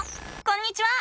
こんにちは！